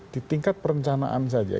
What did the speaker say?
di tingkat perencanaan saja